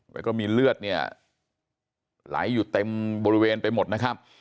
แล้วก็มีเลือดเนี่ยไหลอยู่เต็มบริเวณไปหมดนะครับ